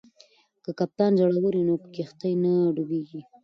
که کپتان زړور وي نو کښتۍ نه ډوبیږي.